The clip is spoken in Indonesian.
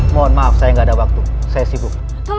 mohon maaf saya nggak ada waktu saya sibuk